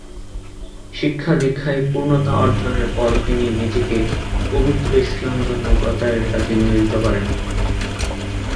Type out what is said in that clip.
শিক্ষা-দীক্ষায় পূর্ণতা অর্জনের পর তিনি নিজেকে পবিত্র ইসলাম ধর্ম প্রচারের কাজে নিয়োজিত করেন।